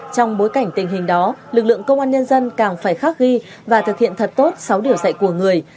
trong bối cảnh tình hình đó lực lượng công an nhân dân càng phải khắc ghi và thực hiện thật tốt sáu điều dạy của người